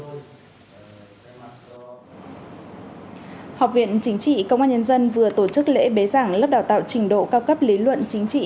học viện chính trị công an nhân dân vừa tổ chức lễ bế giảng lớp đào tạo trình độ cao cấp lý luận chính trị